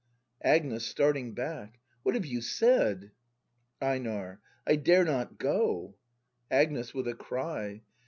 Agnes. [Starting back.] What have you said! EiNAR. I dare not go ! Agnes. [With a cry.